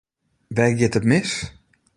Wêr giet it mis?